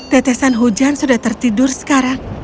tetesan hujan sudah tertidur sekarang